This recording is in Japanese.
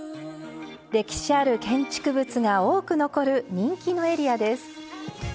歴史ある建築物が多く残る人気のエリアです